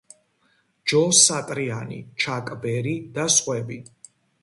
ჯო სატრიანი, ჩაკ ბერი და სხვები.